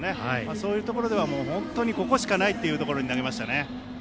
そういうところではここしかないというところでしたね。